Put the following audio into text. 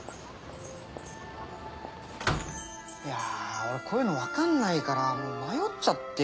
いやぁ俺こういうのわかんないからもう迷っちゃって。